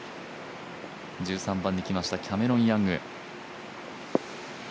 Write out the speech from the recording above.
１３番にきました、キャメロン・ヤング。